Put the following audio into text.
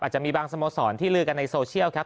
จะมีบางสโมสรที่ลือกันในโซเชียลครับ